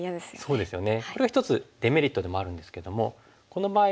そうですね。